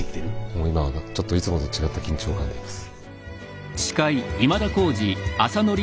もう今はちょっといつもと違った緊張感でいます。